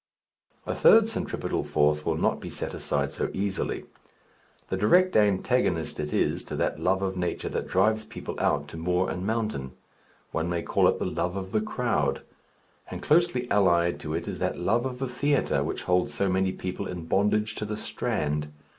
A third centripetal force will not be set aside so easily. The direct antagonist it is to that love of nature that drives people out to moor and mountain. One may call it the love of the crowd; and closely allied to it is that love of the theatre which holds so many people in bondage to the Strand.